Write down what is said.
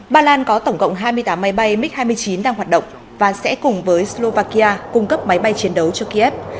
ba lan có tổng cộng hai mươi tám máy bay mig hai mươi chín đang hoạt động và sẽ cùng với slovakia cung cấp máy bay chiến đấu cho kiev